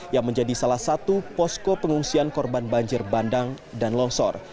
yang menjadi salah satu posko pengungsian korban banjir bandang dan longsor